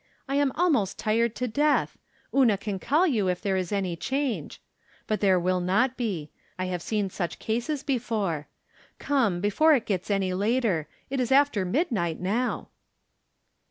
I am almost tired to death. Una can call you if there is any change. But there will not be. I have seen such cases before. Come, before it gets any later ; it is after midnight now."